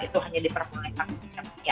itu hanya diperbolehkan